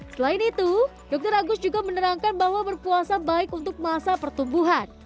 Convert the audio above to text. selain itu dokter agus juga menerangkan bahwa berpuasa baik untuk masa pertumbuhan